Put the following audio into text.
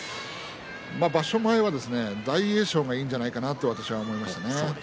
場所前は大栄翔がいいんじゃないかと私は思っていました。